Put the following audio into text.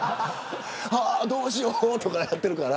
どうしようとかやってるから。